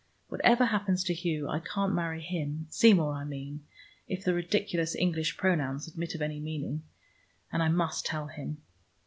Whatever happens to Hugh, I can't marry him, Seymour, I mean, if the ridiculous English pronouns admit of any meaning; and I must tell him."